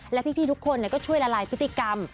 และพี่ทุกคนก็ช่วยละลายพฤติกรรม